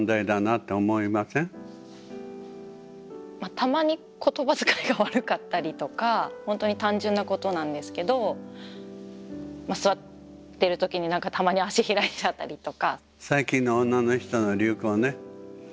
たまに言葉遣いが悪かったりとかほんとに単純なことなんですけどまあ座ってる時に何かたまに足開いちゃったりとか。